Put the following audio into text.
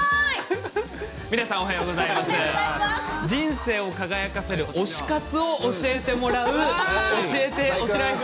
人生を輝かせる推し活を教えてもらう「＃教えて推しライフ」